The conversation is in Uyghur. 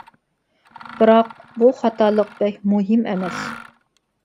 بىراق، بۇ خاتالىق بەك مۇھىم ئەمەس.